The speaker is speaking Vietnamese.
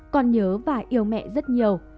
con nhớ và yêu mẹ rất nhiều